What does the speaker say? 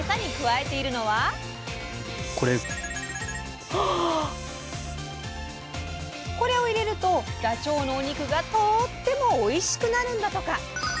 そしてこれを入れるとダチョウのお肉がとってもおいしくなるんだとか！